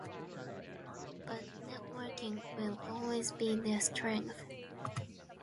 But networking will always be their strength.